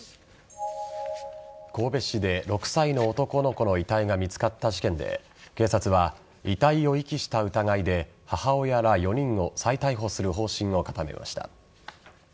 神戸市で６歳の男の子の遺体が見つかった事件で警察は遺体を遺棄した疑いで母親ら４人を再逮捕する方針を固めました。